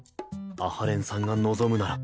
阿波連さんが望むなら。